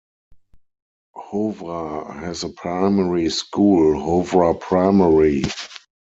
Howrah has a primary school, Howrah Primary.